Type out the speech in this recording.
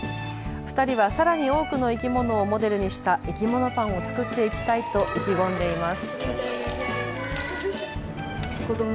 ２人はさらに多くの生き物をモデルにした、いきものパンを作っていきたいと意気込んでいます。